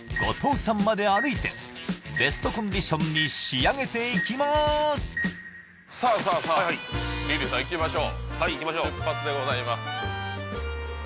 ＧＯＴＯＯさんまで歩いてベストコンディションに仕上げていきますさあさあさあリリーさん行きましょうはい行きましょう出発でございます